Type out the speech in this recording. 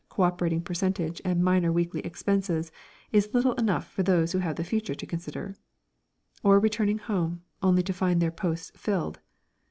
co operating percentage and minor weekly expenses is little enough for those who have the future to consider), or returning home, only to find their posts filled.